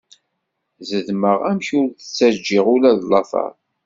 Xedmeɣ amek ur d-ttaǧǧiɣ ula d lateṛ.